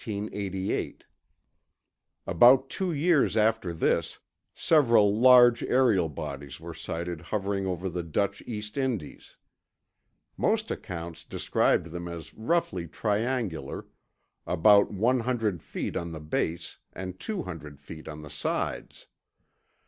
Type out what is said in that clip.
About two years after this, several large aerial bodies were sighted hovering over the Dutch East Indies. Most accounts described them as roughly triangular, about one hundred feet on the base and two hundred feet on the sides.